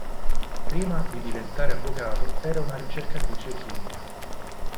Prima di diventare avvocato era una ricercatrice chimica.